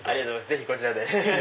ぜひこちらで。